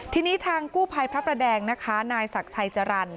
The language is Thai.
ทีนี้ทางกู้ภัยพระประแดงนะคะนายศักดิ์ชัยจรรย์